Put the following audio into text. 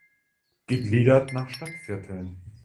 Gegliedert nach Stadtvierteln.